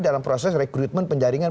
dalam proses rekrutmen penjaringan